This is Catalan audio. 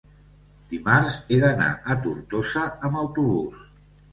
dimarts he d'anar a Tortosa amb autobús.